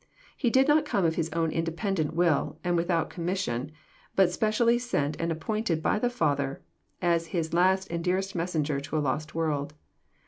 He had not come of His own independent will and without commission, but specially sent and appointed by the Father, as His last and dearest Messenger to a lost world.